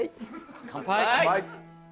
乾杯！